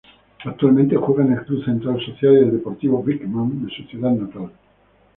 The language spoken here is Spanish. Actualmente juega en el Club Centro Social y Deportivo Brinkmann, de su ciudad natal.